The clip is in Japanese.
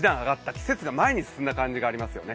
季節が前に進んだ感じがありますよね。